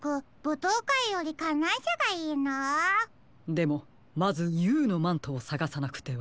でもまずＵのマントをさがさなくては。